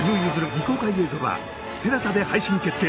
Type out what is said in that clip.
未公開映像は ＴＥＬＡＳＡ で配信決定